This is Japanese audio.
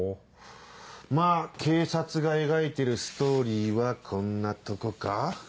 まぁ警察が描いてるストーリーはこんなとこか？